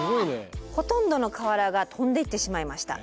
ほとんどの瓦が飛んでいってしまいました。